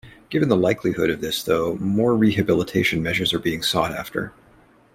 Given the likelihood of this, though, more rehabilitation measures are being sought after.